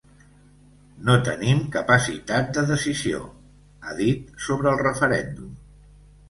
No tenim capacitat de decisió, ha dit sobre el referèndum.